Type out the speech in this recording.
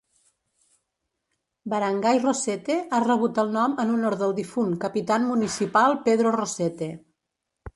Barangay Rosete ha rebut el nom en honor del difunt Capitan Municipal Pedro Rosete.